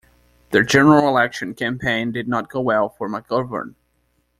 The general election campaign did not go well for McGovern.